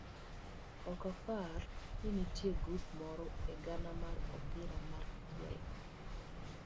ok apar ni nitie grup moro e gana mar opira mar tielo